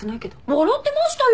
笑ってましたよ！